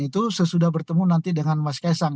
itu sesudah bertemu nanti dengan mas kaisang